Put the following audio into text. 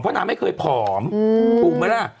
เพราะน้ำไม่เคยผอมพูดมั้ยนะ